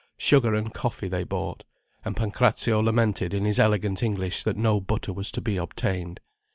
Sugar and coffee they bought. And Pancrazio lamented in his elegant English that no butter was to be obtained.